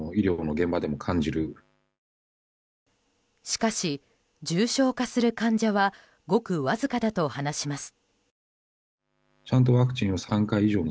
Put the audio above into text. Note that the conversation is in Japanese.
しかし重症化する患者はごくわずかだと話します。